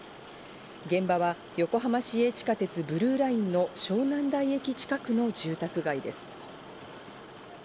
現場は横浜市営地下鉄ブルーラインの湘南台駅近くの住宅街です。